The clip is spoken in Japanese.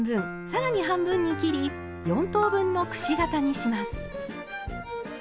さらに半分に切り４等分のくし形にします。